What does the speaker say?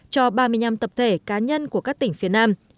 cho ba mươi năm tập thể cá nhân của các tỉnh phía nam